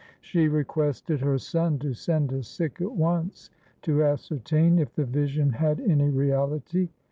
She requested her son to send a Sikh at once to ascertain if the vision had any reality.